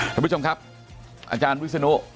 ท่านผู้ชมครับอาจารย์วิศนุ